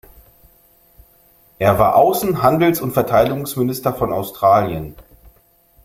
Er war Außen-, Handels- und Verteidigungsminister von Australien.